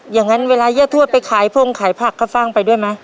อย่างนั้นเวลาเยอะทั่วไปขายผงขายผักข้าวฟ่างไปด้วยไหม